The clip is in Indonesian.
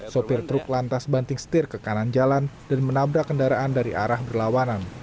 sopir truk lantas banting setir ke kanan jalan dan menabrak kendaraan dari arah berlawanan